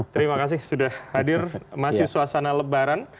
terima kasih sudah hadir masih suasana lebaran